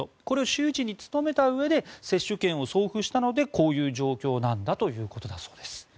この周知に努めたうえで接種券を送付したのでこういう状況なんだということだそうです。